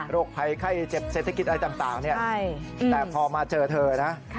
โรคภัยไข้เจ็บเศรษฐกิจอะไรต่างต่างเนี้ยใช่แต่พอมาเจอเธอนะค่ะ